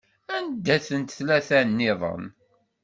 Anda-tent tlata-nniḍen?